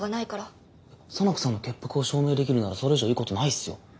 沙名子さんの潔白を証明できるならそれ以上いいことないっすよ。